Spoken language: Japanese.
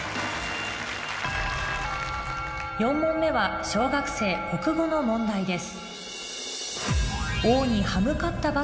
４問目は小学生国語の問題です